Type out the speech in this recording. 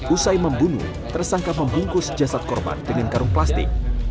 usai membunuh tersangka membungkus jasad korban dengan karung plastik